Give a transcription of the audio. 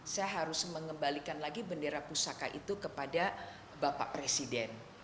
saya harus mengembalikan lagi bendera pusaka itu kepada bapak presiden